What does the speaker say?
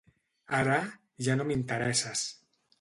Ara, ja no m'interesses.